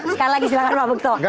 sekali lagi silakan pak bekto